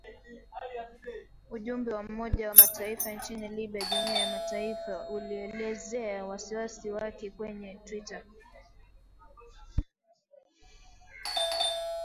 Ujumbe wa Umoja wa Mataifa nchini Libya (Jumuiya ya mataifa) ulielezea wasiwasi wake kwenye twitter.